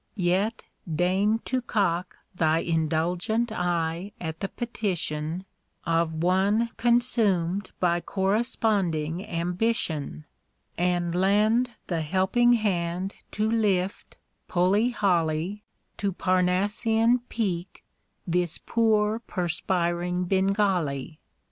Yet deign to cock thy indulgent eye at the petition Of one consumed by corresponding ambition, And lend the helping hand to lift, pulley hauley, To Parnassian Peak this poor perspiring Bengali!